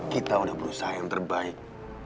kita sudah berusaha yang terbaik